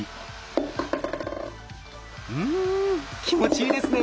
うん気持ちいいですね。